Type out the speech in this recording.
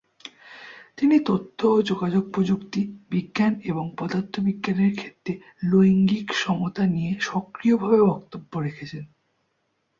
তিনি তথ্য ও যোগাযোগ প্রযুক্তি, বিজ্ঞান, এবং পদার্থবিজ্ঞানের ক্ষেত্রে লৈঙ্গিক সমতা নিয়ে সক্রিয়ভাবে বক্তব্য রেখেছেন।